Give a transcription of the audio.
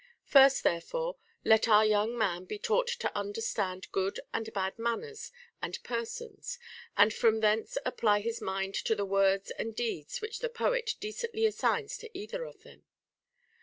First, therefore, let our young man be taught to under stand good and bad manners and persons, and from thence apply his mind to the words and deeds which the poet decently assigns to either of them.